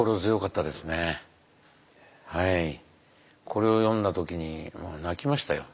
これを読んだ時に泣きましたよ。